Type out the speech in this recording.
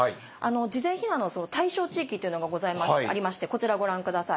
事前避難の対象地域っていうのがありましてこちらご覧ください。